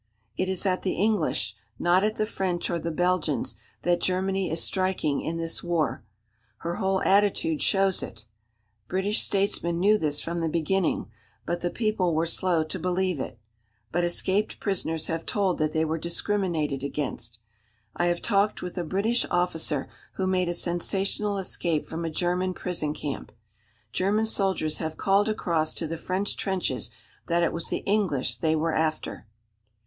It is at the English, not at the French or the Belgians, that Germany is striking in this war. Her whole attitude shows it. British statesmen knew this from the beginning, but the people were slow to believe it. But escaped prisoners have told that they were discriminated against. I have talked with a British officer who made a sensational escape from a German prison camp. German soldiers have called across to the French trenches that it was the English they were after.